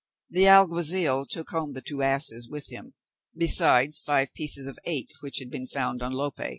The alguazil took home the two asses with him, besides five pieces of eight which had been found on Lope.